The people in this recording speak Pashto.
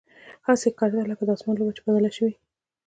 هسې ښکارېده لکه د اسمان لوبه چې بدله شوې وي.